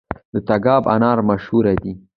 د تګاب انار مشهور دي